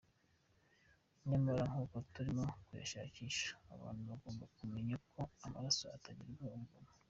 Nyamara nk’uko turimo kuyashakisha, abantu bagombye kumenya ko amaraso atangirwa ubuntu.